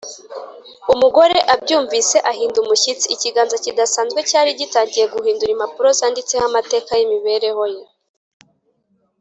Umugore abyumvise ahinda umushyitsi. Ikiganza kidasanzwe cyari gitangiye guhindura impapuro zanditseho amateka y’imibereho ye